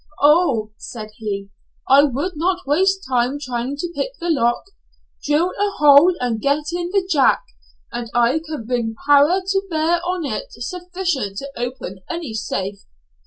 "Oh!" said he, "I would not waste time trying to pick the lock. Drill a hole and get in the 'jack,' and I can bring power to bear on it sufficient to open any safe.